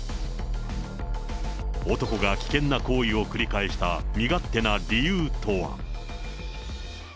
男が危険な行為を繰り返した身勝手な理由とは。